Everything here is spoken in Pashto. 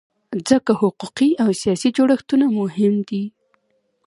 ځکه حقوقي او سیاسي جوړښتونه مهم دي.